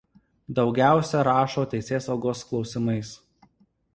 Daugiausia rašo teisėsaugos klausimais.